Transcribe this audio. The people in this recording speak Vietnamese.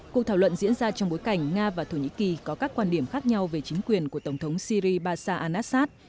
cuộc thảo luận diễn ra trong bối cảnh nga và thổ nhĩ kỳ có các quan điểm khác nhau về chính quyền của tổng thống syri basa anassad